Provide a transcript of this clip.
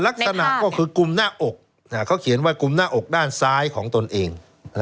ลักษณะก็คือกุมหน้าอกเขาเขียนว่ากุมหน้าอกด้านซ้ายของตนเอง